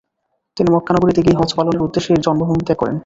তিনি মক্কা নগরীতে গিয়ে হজ্জ পালনের উদ্দেশ্যে জন্মভূমি ত্যাগ করেন।